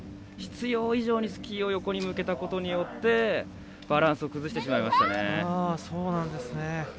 必要以上にスキーを横に向けたことによってバランスを崩してしまいましたね。